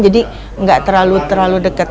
jadi nggak terlalu terlalu dekat